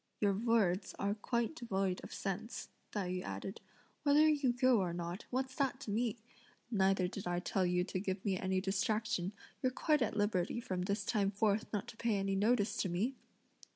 "Your words are quite devoid of sense," Tai yü added; "whether you go or not what's that to me? neither did I tell you to give me any distraction; you're quite at liberty from this time forth not to pay any notice to me!"